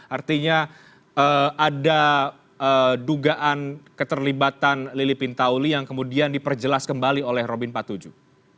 artinya ada dugaan keterlibatan lili pintauli yang kemudian diperjelas kembali oleh robin patujuh